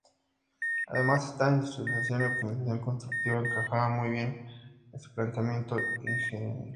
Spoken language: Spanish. Además esta industrialización y optimización constructiva encajaba muy bien en su planteamiento ingenieril.